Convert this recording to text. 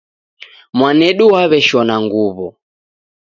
Mwanedu waweshona nguwo